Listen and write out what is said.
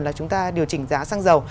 là chúng ta điều chỉnh giá xăng dầu